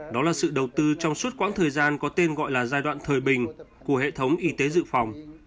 đó là sự đầu tư trong suốt quãng thời gian có tên gọi là giai đoạn thời bình của hệ thống y tế dự phòng